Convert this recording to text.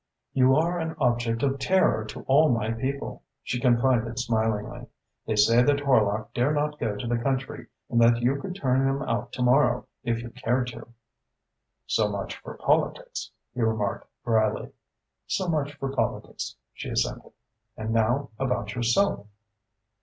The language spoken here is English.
"You are an object of terror to all my people," she confided smilingly. "They say that Horlock dare not go to the country and that you could turn him out to morrow if you cared to." "So much for politics," he remarked drily. "So much for politics," she assented. "And now about yourself?"